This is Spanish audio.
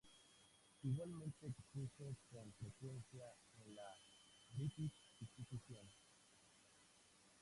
Igualmente expuso con frecuencia en la British Institution.